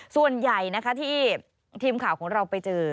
ส่วนใหญ่นะคะที่ทีมข่าวของเราไปเจอ